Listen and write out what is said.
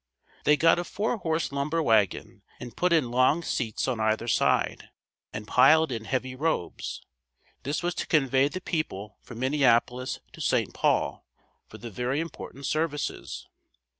They got a four horse lumber wagon and put in long seats on either side, and piled in heavy robes. This was to convey the people from Minneapolis to St. Paul for the very important services.